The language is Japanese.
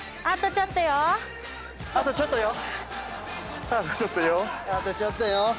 あとちょっとよ。